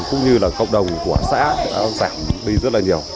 cũng như là cộng đồng của xã đã giảm đi rất là nhiều